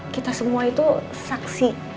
kita semua itu saksi